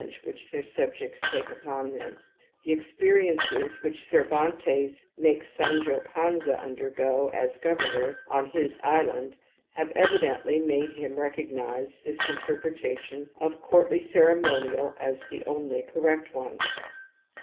^^^ upojijljena^^^ The experiences which Cervantes makes Sancho Panza undergo as governor on his island have evidently made him recognize this interpretation of courtly ceremonial as the only correct one.